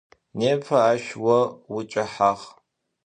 Непэ ащ о укӏэхьагъ.